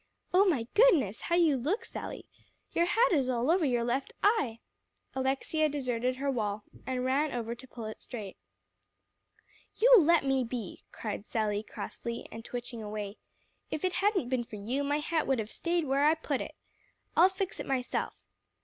"Oh my goodness, how you look, Sally! Your hat is all over your left eye." Alexia deserted her wall, and ran over to pull it straight. "You let me be," cried Sally crossly, and twitching away. "If it hadn't been for you, my hat would have staid where I put it. I'll fix it myself."